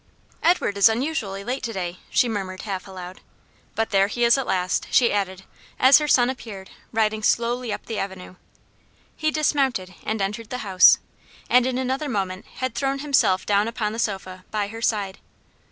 "Edward is unusually late to day," she murmured half aloud. "But there he is at last," she added, as her son appeared, riding slowly up the avenue. He dismounted and entered the house, and in another moment had thrown himself down upon the sofa, by her side.